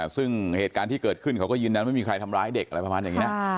ซึ่งเหตุการณ์ที่เกิดขึ้นเขาก็ยืนยันว่าไม่มีใครทำร้ายเด็กอะไรประมาณอย่างนี้